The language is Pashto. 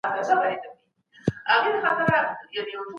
ما پرون مځکي ته وکتل.